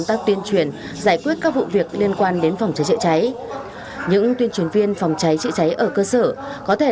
thất tuyên truyền viên của mình đã rất là năng động đã đi tất nhà này để phổ biến này tuyên truyền này bằng các hình thức có thể là đóng kịch này